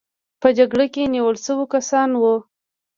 په جګړه کې نیول شوي کسان وو.